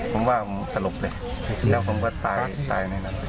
ผมว่าผมสลบไปแล้วผมก็ตายในนั้น